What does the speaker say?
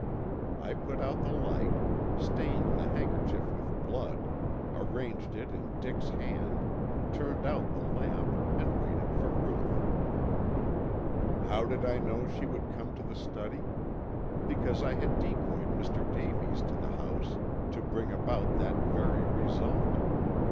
I put out the light, stained the handkerchief with blood, arranged it in Dick's hand, turned out the lamp, and waited for Ruth. "How did I know she would come to the study? Because I had decoyed Mr. Davies to the house to bring about that very result.